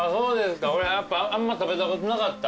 俺やっぱあんま食べたことなかった。